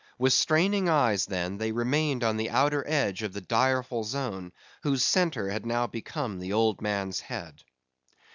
With straining eyes, then, they remained on the outer edge of the direful zone, whose centre had now become the old man's head.